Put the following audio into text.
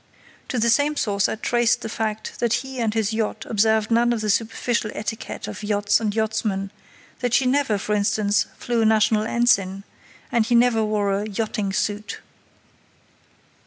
To the same source I traced the fact that he and his yacht observed none of the superficial etiquette of yachts and yachtsmen, that she never, for instance, flew a national ensign, and he never wore a "yachting suit".